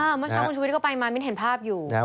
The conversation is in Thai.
เมื่อเช้าคุณชุวิตก็ไปมามิ้นเห็นภาพอยู่